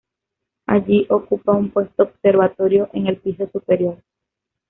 Allí ocupa un puesto observatorio en el piso superior.